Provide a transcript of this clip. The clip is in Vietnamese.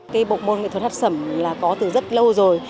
cái bộ môn nghệ thuật hát sẩm là có từ rất lâu rồi